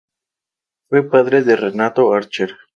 Fue padre de Renato Archer.